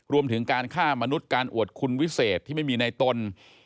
รวมถึงการฆ่ามนุษย์การอวดคุณวิเศษที่ไม่มีในตน